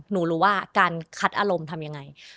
หนูรู้ว่าการคัดอารมณ์ทำยังไง